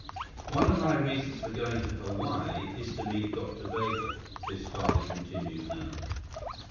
"One of my reasons for going to Hawaii is to meet Dr. Weber," Biff's father continued now.